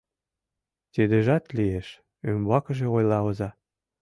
— Тидыжат лиеш, — умбакыже ойла оза.